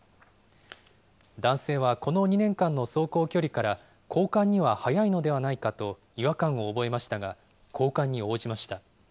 男性はこの２年間の走行距離から、交換には早いのではないかと違和感を覚えましたが、交換に応じました。